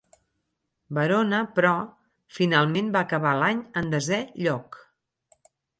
Verona, però, finalment va acabar l'any en desè lloc.